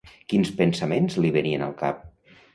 Quins pensaments li venien al cap?